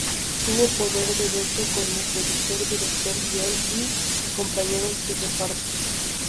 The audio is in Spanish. Tuvo poder de veto con el productor, director, guion y compañeros de reparto.